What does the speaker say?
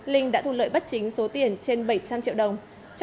linh đã thu lợi bất chính số tiền trên bảy trăm linh triệu đồng